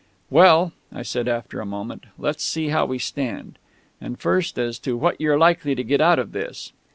"Well," I said after a moment, "let's see how we stand. And first as to what you're likely to get out of this.